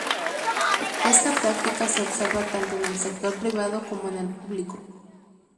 Esta práctica se observa tanto en el sector privado como en el público.